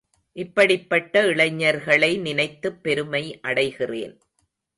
இப்படிப்பட்ட இளைஞர்களை நினைத்துப் பெருமை அடைகிறேன்.